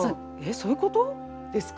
そういうこと？ですか？